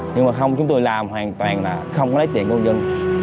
nhưng mà không chúng tôi làm hoàn toàn là không có lấy tiền của người dân